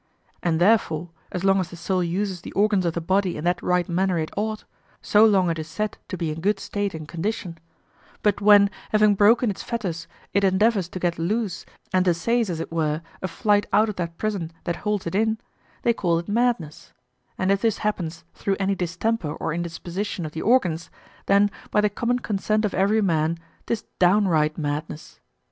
And therefore, as long as the soul uses the organs of the body in that right manner it ought, so long it is said to be in good state and condition; but when, having broken its fetters, it endeavors to get loose and assays, as it were, a flight out of that prison that holds it in, they call it madness; and if this happen through any distemper or indisposition of the organs, then, by the common consent of every man, 'tis downright madness.